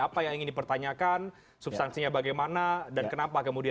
apa yang ingin dipertanyakan substansinya bagaimana dan kenapa kemudian